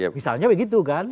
misalnya begitu kan